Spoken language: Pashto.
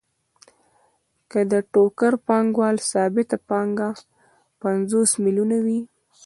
که د ټوکر پانګوال ثابته پانګه پنځوس میلیونه وي